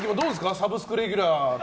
サブスクレギュラー。